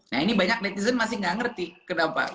nah ini banyak netizen masih nggak ngerti kenapa